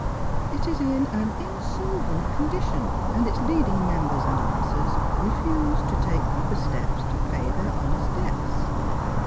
It is in an in solvent condition, and its leading members and officers refuse to take proper steps to pay their honest debts.